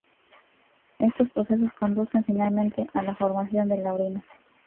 Estos procesos conducen finalmente a la formación de la orina.